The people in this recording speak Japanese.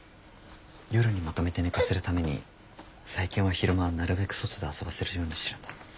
夜にまとめて寝かせるために最近は昼間なるべく外で遊ばせるようにしてるんだ。